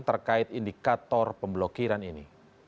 terkait indikator pemblokiran ini